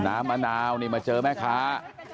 น้ำมะนาวนี่มันเจอแม่ค้า